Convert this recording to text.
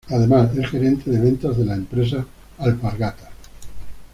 Además, es gerente de ventas de la empresa Alpargatas.